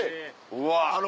うわ。